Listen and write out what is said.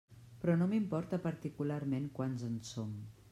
Però no m'importa particularment quants en som.